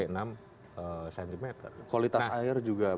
nah kualitas air juga berkurang